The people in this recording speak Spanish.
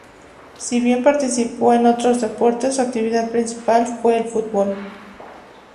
Si bien participó en otros deportes, su actividad principal fue el fútbol.